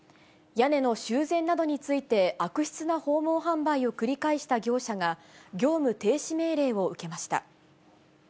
屋根の修繕などについて、悪質な訪問販売を繰り返した業者が、業務停止命令を受けました。